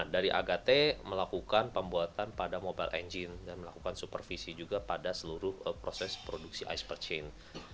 dari agate melakukan pembuatan pada mobile engine dan melakukan supervisi juga pada seluruh proses produksi ice per chain